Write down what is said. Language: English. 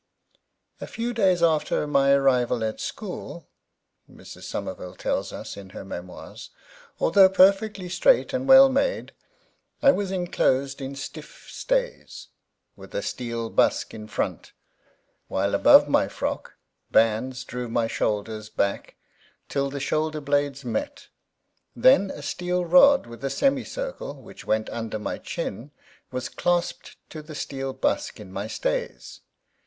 ” “A few days after my arrival at school,” Mrs. Somerville tells us in her memoirs, “although perfectly straight and well made, I was enclosed in stiff stays, with a steel busk in front; while above my frock, bands drew my shoulders back till the shoulder blades met. Then a steel rod with a semi circle, which went under my chin, was clasped to the steel busk in my stays.